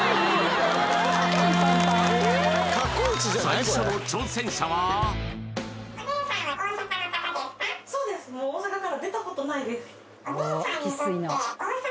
最初の挑戦者は誰ですか？